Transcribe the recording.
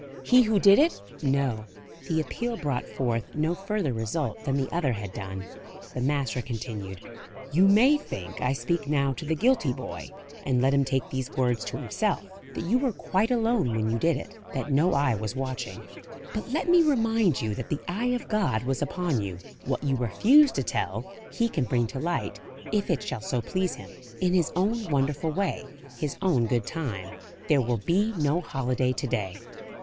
he who did it?" No; the appeal brought forth no further result than the other had done. The master continued: "You may think I speak now to the guilty boy, and let him take these words to himself that you were quite alone when you did it; that no eye was watching. But let me remind you that the eye of God was upon you. What you refuse to tell, He can bring to light, if it shall so please Him, in His own wonderful way, His own good time. There will be no holiday to day.